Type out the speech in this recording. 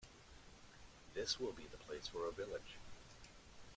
This will be the place for a village.